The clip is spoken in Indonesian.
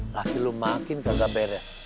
laki lo makin kagak beres